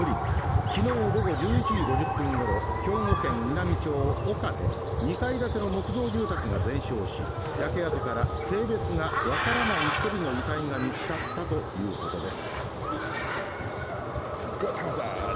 昨日午後１１時５０分ごろ兵庫県稲美町岡で２階建ての木造住宅が全焼し焼け跡から性別が分からない一人の遺体が見つかったということです